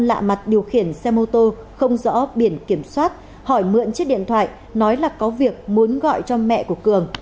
lạ mặt điều khiển xe mô tô không rõ biển kiểm soát hỏi mượn chiếc điện thoại nói là có việc muốn gọi cho mẹ của cường